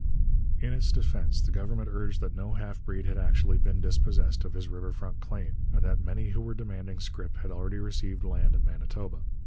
In its defence the Government urged that no half breed had actually been dispossessed of his river front claim, and that many who were demanding scrip had already received land in Manitoba.